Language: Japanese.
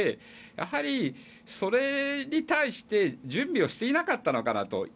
やはり、それに対して準備をしていなかったのかなと。